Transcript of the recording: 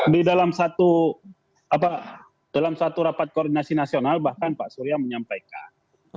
di dalam satu rapat koordinasi nasional bahkan pak surya menyampaikan